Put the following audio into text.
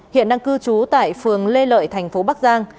hiện đang cư trú tại phường lê lợi thành phố bắc giang